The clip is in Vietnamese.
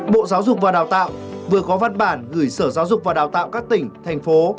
bộ giáo dục và đào tạo vừa có văn bản gửi sở giáo dục và đào tạo các tỉnh thành phố